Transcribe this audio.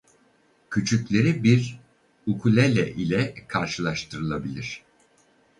Küçükleri bir Ukulele ile karşılaştırılabilir.